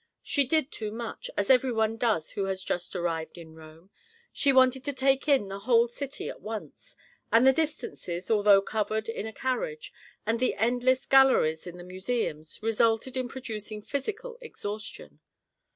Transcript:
She did too much, as every one does who has just arrived in Rome; she wanted to take in the whole city at once; and the distances, although covered in a carriage, and the endless galleries in the museums resulted in producing physical exhaustion.